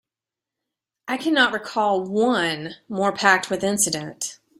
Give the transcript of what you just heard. I cannot recall one more packed with incident.